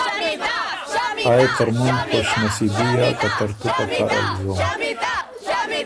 آ يې تُرمُن خوش نصیبي هۀ که ترکوک په کرل زوم۔